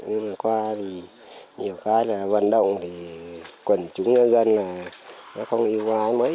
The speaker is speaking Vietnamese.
nhưng mà qua nhiều cái là vận động thì quần chúng nhân dân là nó không yêu vãi mấy